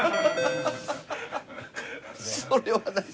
それはない。